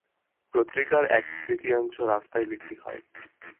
পত্রিকার প্রায় এক তৃতীয়াংশ রাস্তায় বিক্রি হয়।